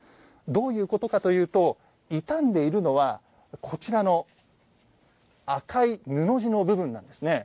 どういうことかというと傷んでいるのはこちらの赤い布地の部分なんですね。